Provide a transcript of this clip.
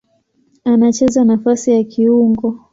Anacheza nafasi ya kiungo.